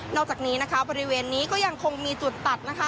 จากนี้นะคะบริเวณนี้ก็ยังคงมีจุดตัดนะคะ